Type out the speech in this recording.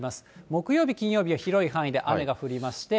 木曜日、金曜日は広い範囲で雨が降りまして。